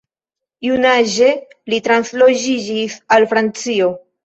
Junaĝe li transloĝiĝis al Francio.